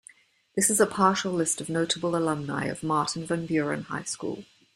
This is a partial list of notable alumni of Martin Van Buren High School.